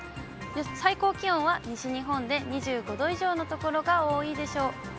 最高気温は西日本で２５度以上の所が多いでしょう。